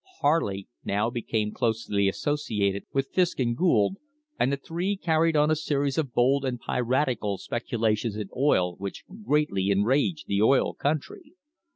Harley now became closely associated with Fisk and Gould, and the three carried on a series of bold and piratical speculations in oil which greatly enraged the oil country.